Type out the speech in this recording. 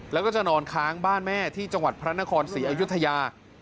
แล้วก็จะนอนค้างบ้านแม่ที่จังหวัดพระนครศรีอยุธยา